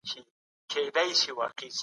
پوهان وايي چي سياستپوهنه د قدرت څېړنه ده.